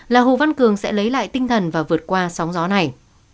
là hồ văn cường sẽ lấy lại tinh thần và vượt qua sóng gió này